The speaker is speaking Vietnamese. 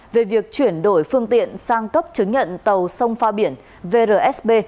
về việc chuyển đổi phương tiện sang cấp chứng nhận tàu sông pha biển vrsb